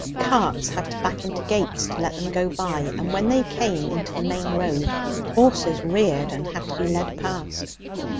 Carts had to back into gates to let them go by, and when they came into the main road horses reared and had to be led past.